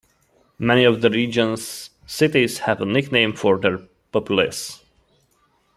Many of the region's cities have a nickname for their populace.